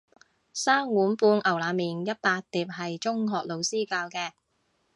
三碗半牛腩麵一百碟係中學老師教嘅